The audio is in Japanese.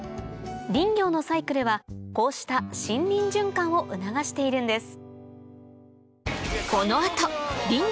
林業のサイクルはこうした森林循環を促しているんです